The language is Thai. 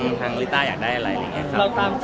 ความคลุกก็จะมีปัญหา